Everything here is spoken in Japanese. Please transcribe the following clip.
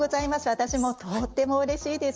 私もとってもうれしいです。